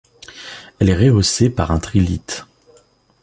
Elle est rehaussée par un trilithe.